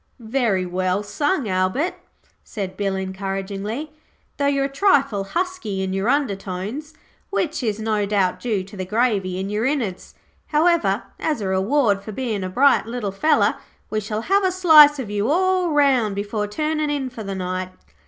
'Very well sung, Albert,' said Bill encouragingly, 'though you're a trifle husky in your undertones, which is no doubt due to the gravy in your innards. However, as a reward for bein' a bright little feller we shall have a slice of you all round before turnin' in for the night.'